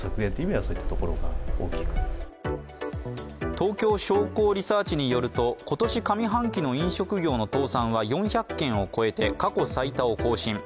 東京商工リサーチによると今年上半期の飲食業の倒産は４００件を超えて過去最多を更新。